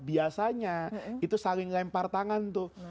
biasanya itu saling lempar tangan tuh